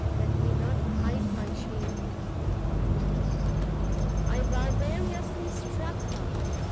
let me not hide my shame! I barbarously struck her!